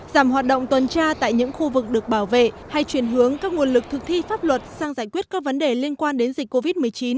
giảm hoạt động tuần tra tại những khu vực được bảo vệ hay chuyển hướng các nguồn lực thực thi pháp luật sang giải quyết các vấn đề liên quan đến dịch covid một mươi chín